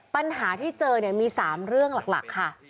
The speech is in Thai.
ปัญหาที่เจอมี๓เรื่องหลักค่ะ